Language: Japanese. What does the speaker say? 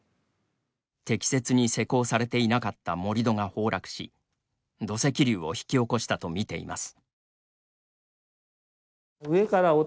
適切に施工されていなかった盛り土が崩落し土石流を引き起こしたと見ています。